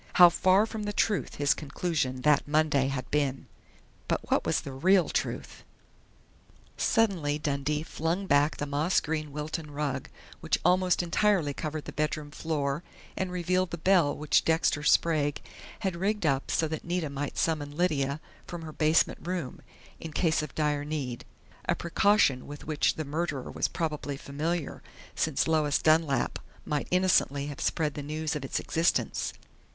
How far from the truth his conclusion that Monday had been! But what was the real truth? Suddenly Dundee flung back the moss green Wilton rug which almost entirely covered the bedroom floor and revealed the bell which Dexter Sprague had rigged up so that Nita might summon Lydia from her basement room, in case of dire need a precaution with which the murderer was probably familiar, since Lois Dunlap might innocently have spread the news of its existence.